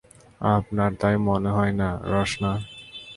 আপনার তাই মনে হয় না, রসনার?